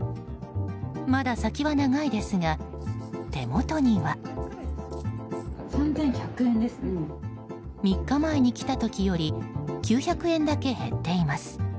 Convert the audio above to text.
まだ先は長いですが、手元には。３日前に来た時より９００円だけ減っています。